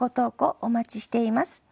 お待ちしています。